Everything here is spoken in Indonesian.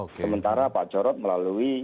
sementara pak jarod melalui